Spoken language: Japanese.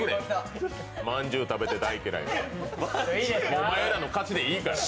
お前らの勝ちでいいから。